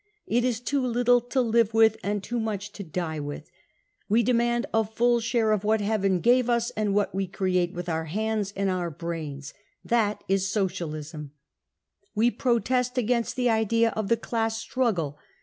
It is too little to live with and too much to die with. ... We demand a full share of what heaven gave us and of what we create with our hands and our brains. That is socialism !... We pro test against the idea of the class struggle.